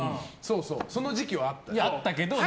その時期はあった。